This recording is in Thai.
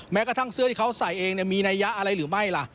แม้กระทั่งเสื้อที่เขาใส่เองมีนัยยะอะไรหรือไม่ล่ะ